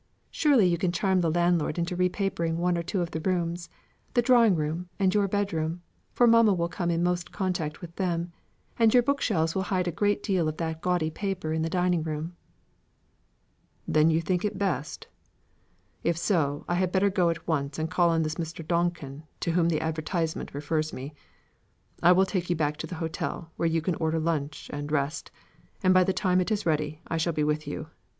Surely you can charm the landlord into re papering one or two of the rooms the drawing room and your bed room for mamma will come most in contact with them; and your book shelves will hide a great deal of that gaudy pattern in the dining room." "Then you think it the best? If so, I had better go at once and call on this Mr. Donkin, to whom the advertisement refers me. I will take you back to the hotel, where you can order lunch, and rest, and by the time it is ready, I shall be with you.